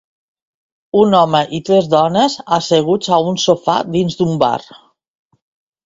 Un home i tres dones asseguts a un sofà dins d'un bar.